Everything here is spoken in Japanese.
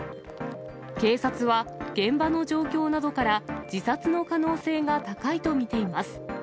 警察は、現場の状況などから自殺の可能性が高いと見ています。